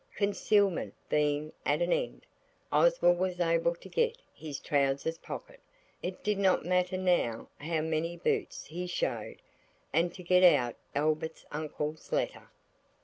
Concealment being at an end, Oswald was able to g his trousers pocket–it did not matter now how many boots he showed–and to get out Albert's uncle's letter.